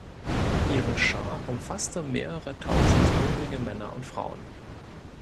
Ihre Schar umfasste mehrere tausend hungrige Männer und Frauen.